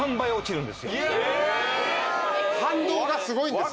反動がすごいんですね。